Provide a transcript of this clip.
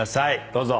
どうぞ。